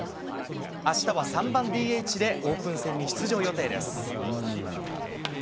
あしたは３番ＤＨでオープン戦に出場予定です。